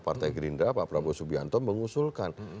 partai gerindra pak prabowo subianto mengusulkan